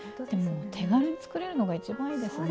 手軽に作れるのが一番いいですね！